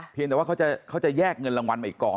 เพียงแต่ว่าเขาจะแยกเงินรางวัลมาอีกกอง